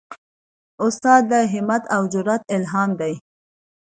استاد د همت او جرئت الهام دی.